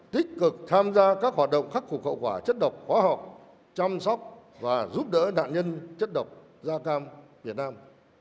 tích cực tham gia các hoạt động khắc phục hậu quả chất độc hóa học chăm sóc và giúp đỡ nạn nhân chất độc da cam việt nam